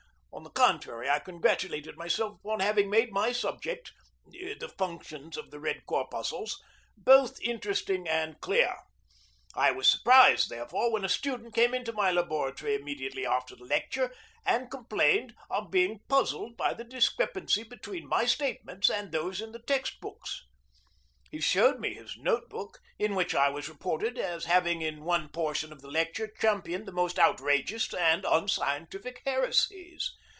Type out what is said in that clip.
On the contrary, I congratulated myself upon having made my subject (the functions of the red corpuscles) both interesting and clear. I was surprised, therefore, when a student came into my laboratory immediately after the lecture, and complained of being puzzled by the discrepancy between my statements and those in the text books. He showed me his note book, in which I was reported as having in one portion of the lecture championed the most outrageous and unscientific heresies.